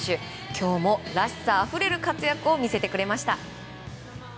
今日も、らしさあふれる活躍を見せてくれました。